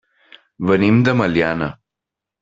Venim de Meliana.